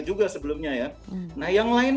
juga sebelumnya ya nah yang lain